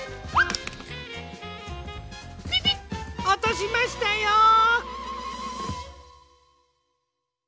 おとしましたよ。